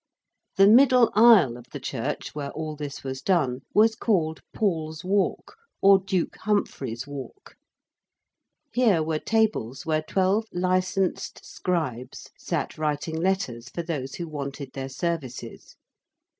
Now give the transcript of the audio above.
The middle aisle of the church where all this was done was called Paul's Walk or Duke Humphrey's Walk. Here were tables where twelve licensed scribes sat writing letters for those who wanted their services.